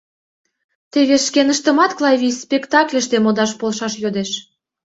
Теве шкеныштымат Клавий спектакльыште модаш полшаш йодеш.